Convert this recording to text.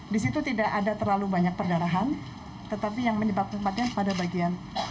di situ tidak ada terlalu banyak perdarahan tetapi yang menyebabkan kematian pada bagian